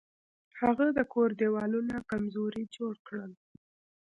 هغه د کور دیوالونه کمزوري جوړ کړل.